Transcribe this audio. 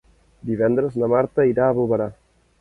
Divendres na Marta irà a Bovera.